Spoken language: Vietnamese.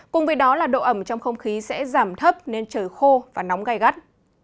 cùng với đó là độ ẩm trong không khí sẽ giảm thấp nên trời khô và nóng gai gắt